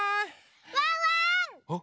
・ワンワン！